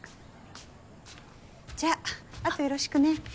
じゃああとよろしくね。